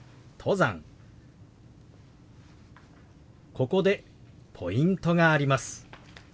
ここでポイントがあります。